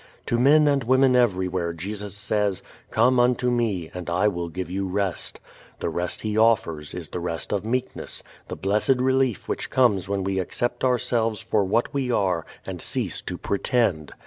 To men and women everywhere Jesus says, "Come unto me, and I will give you rest." The rest He offers is the rest of meekness, the blessed relief which comes when we accept ourselves for what we are and cease to pretend.